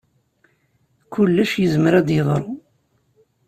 Kullec yezmer ad yeḍru.